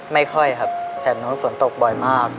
ไม่ค่อยครับแถบนู้นฝนตกบ่อยมาก